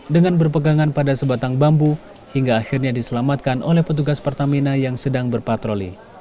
dengan berpegangan pada sebatang bambu hingga akhirnya diselamatkan oleh petugas pertamina yang sedang berpatroli